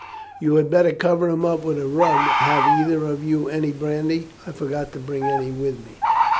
You had better cover him up with a rug. Have either of you any brandy? I forgot to bring any with me."